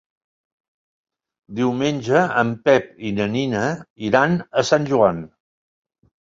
Diumenge en Pep i na Nina iran a Sant Joan.